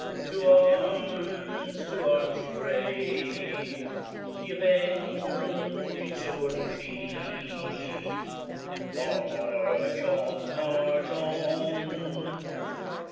To arms ! to arms ! ye brave ! The avenging sword unsheathe; March on ! march on